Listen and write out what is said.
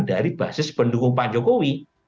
dari basis pendukung pak jokowi